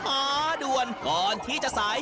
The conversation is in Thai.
มาด่วนก่อนที่จะสาย